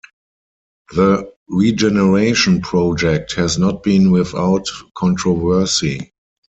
The regeneration project has not been without controversy.